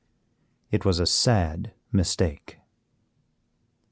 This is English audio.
It was a sad mistake.